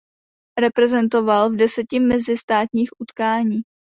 Reprezentoval v deseti mezistátních utkáních.